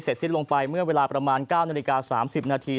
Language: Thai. สิ้นลงไปเมื่อเวลาประมาณ๙นาฬิกา๓๐นาที